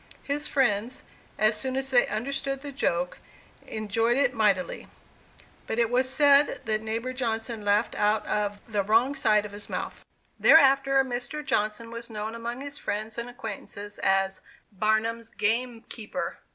His friends, as soon as they understood the joke, enjoyed it mightily, but it was said that neighbor Johnson laughed out of "the wrong side of his mouth." Thereafter, Mr. Johnson was known among his friends and acquaintances as "Barnum's game keeper."